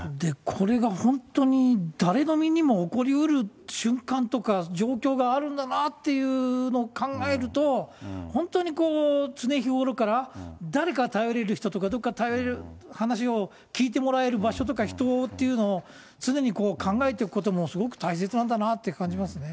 これが本当に誰の身にも起こりうる瞬間とか、状況があるんだなっていうのを考えると、本当にこう、常日頃から誰か頼れる人とか、どっか頼れる、話を聞いてもらえる場所とか人っていうのを、常に考えておくこともすごく大切なんだなと感じますね。